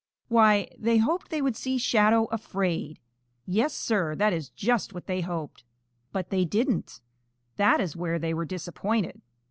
Why, they hoped they would see Shadow afraid. Yes, Sir, that is just what they hoped. But they didn't. That is where they were disappointed.